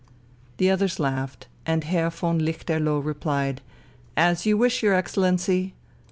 The others laughed, and Herr von Lichterloh replied: "As you wish, your Excellency!